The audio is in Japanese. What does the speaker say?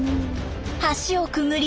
橋をくぐり